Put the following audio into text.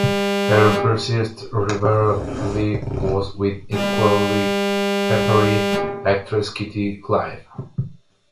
Her fiercest rivalry was with "equally peppery" actress Kitty Clive.